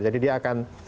jadi dia akan